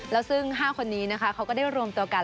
แล้วซึ่ง๕คนนี้นะคะเขาก็ได้รวมตัวกัน